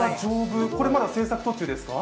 これ、まだ制作途中ですか？